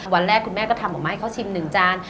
วันแรกคุณแม่ก็ทำออกมาให้เขาชิม๑จาน